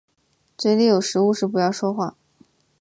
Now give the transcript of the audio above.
嘴里有食物时不要说话。